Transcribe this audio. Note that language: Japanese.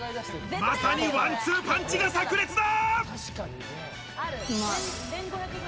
まさにワンツーパンチがさく裂だ！